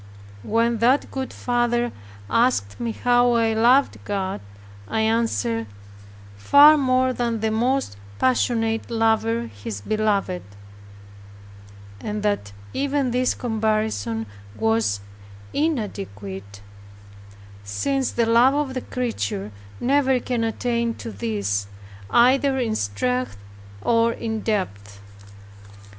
When that good father asked me how I loved God, I answered, "Far more than the most passionate lover his beloved; and that even this comparison was inadequate, since the love of the creature never can attain to this, either in strength or in depth."